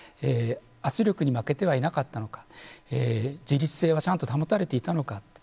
圧力に負けてはいなかったのか自律性はちゃんと保たれていたのか